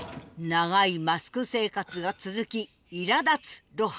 長いマスク生活が続きいらだつ露伴。